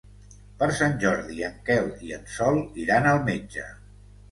Per Sant Jordi en Quel i en Sol iran al metge.